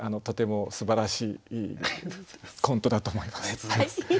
とてもすばらしいコントだと思います。